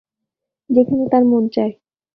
যেখানে তার মন চায়।